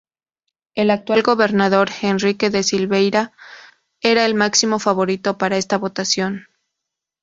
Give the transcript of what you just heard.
El actual gobernador, Henrique da Silveira, era el máximo favorito para esta votación.